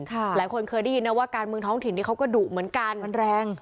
หลายคนเคยได้ยินนะว่าการเมืองท้องถิ่นนี้เขาก็ดุเหมือนกันมันแรง